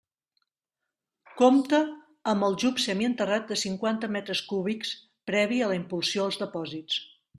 Compta amb aljub semienterrat de cinquanta metres cúbics, previ a la impulsió als depòsits.